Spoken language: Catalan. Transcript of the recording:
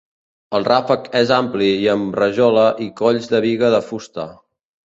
El ràfec és ampli i amb rajola i colls de biga de fusta.